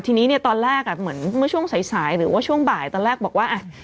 ทีนี้เนี่ยตอนแรกอ่ะเหมือนเมื่อช่วงสายสายหรือว่าช่วงบ่ายตอนแรกบอกว่าอ่ะ